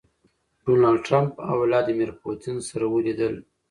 ډونالډ ټرمپ او ويلاديمير پوتين سره وليدل.